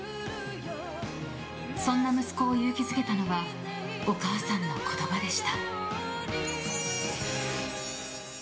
そんな息子を勇気づけたのはお母さんの言葉でした。